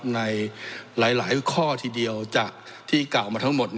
ในหลายข้อทีเดียวจากที่กล่าวมาทั้งหมด